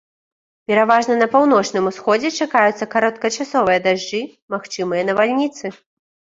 Пераважна на паўночным усходзе чакаюцца кароткачасовыя дажджы, магчымыя навальніцы.